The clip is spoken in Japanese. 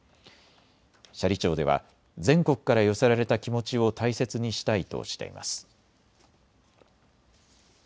斜里町では全国から寄せられた気持ちを大切にしたいとしています。